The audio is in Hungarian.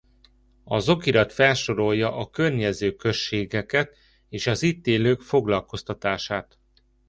Az okirat felsorolja a környező községeket és az itt élők foglalkoztatását.